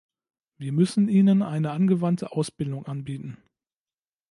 Wir müssen ihnen eine angewandte Ausbildung anbieten.